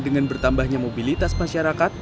dengan bertambahnya mobilitas masyarakat